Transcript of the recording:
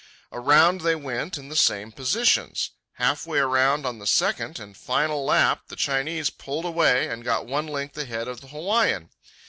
Around they went in the same positions. Halfway around on the second and final lap the Chinese pulled away and got one length ahead of the Hawaiian.